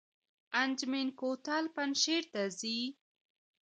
انجمین کوتل پنجشیر ته ځي؟